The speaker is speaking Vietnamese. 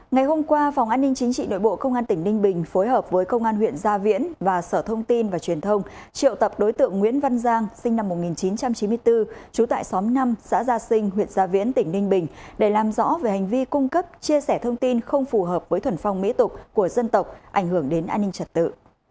ngày hôm qua phòng an ninh chính trị nội bộ công an tỉnh ninh bình phối hợp với công an huyện gia viễn và sở thông tin và truyền thông triệu tập đối tượng nguyễn văn giang sinh năm một nghìn chín trăm chín mươi bốn trú tại xóm năm xã gia sinh huyện gia viễn tỉnh ninh bình để làm rõ về hành vi cung cấp chia sẻ thông tin không phù hợp với thuần phong mỹ tục của dân tộc ảnh hưởng đến an ninh trật tự